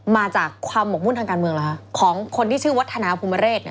มาจากความหมกมุ่นทางการเมืองเหรอคะของคนที่ชื่อวัฒนาภูมิเรศ